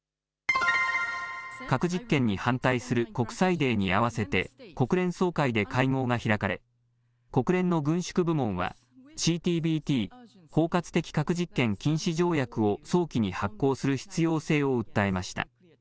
核実験に反対する国際デーに合わせて国連総会で会合が開かれ国連の軍縮部門はＣＴＢＴ・包括的核実験禁止条約を早期に発効する必要性を訴えました。